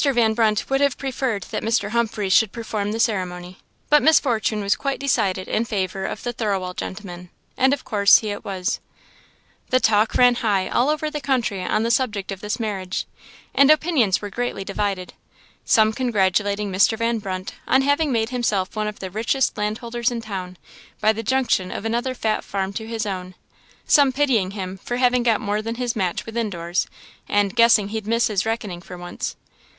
Van Brunt would have preferred that Mr. Humphreys should perform the ceremony; but Miss Fortune was quite decided in favour of the Thirlwall gentleman, and of course he it was. The talk ran high all over the country on the subject of this marriage, and opinions were greatly divided; some congratulating Mr. Van Brunt on having made himself one of the richest landholders "in town," by the junction of another fat farm to his own; some pitying him for having got more than his match within doors, and "guessing he'd missed his reckoning for once."